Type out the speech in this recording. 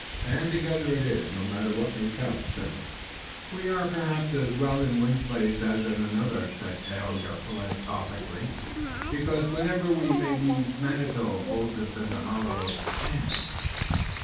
"Stand together it is, no matter what may come," said Willet. "We are, perhaps, as well in one place as in another," said Tayoga philosophically, "because wherever we may be Manitou holds us in the hollow of his hand."